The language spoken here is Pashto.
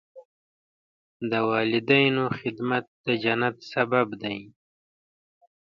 د والدینو خدمت د جنت سبب دی.